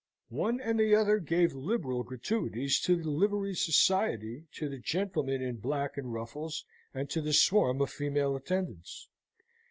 One and the other gave liberal gratuities to the liveried society, to the gentlemen in black and ruffles, and to the swarm of female attendants.